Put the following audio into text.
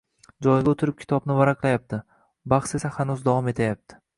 Joyiga o`tirib kitobni varaqlayapti, bahs esa hanuz davom etayapti